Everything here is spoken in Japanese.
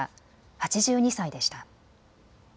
８２歳でした。